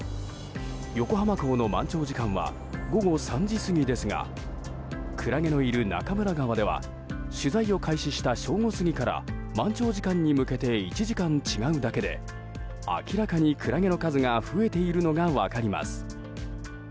横浜港の満潮時間は午後３時過ぎですがクラゲのいる中村川では取材を開始した正午過ぎから満潮時間に向けて１時間違うだけで明らかにクラゲの数が増えているのが分かります。